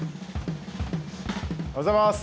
おはようございます。